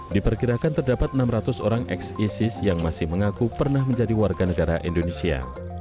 diperkirakan terdapat enam ratus orang ex isis yang masih mengaku pernah menjadi warga negara indonesia